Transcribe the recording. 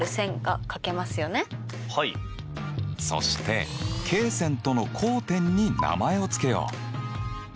そして罫線との交点に名前を付けよう。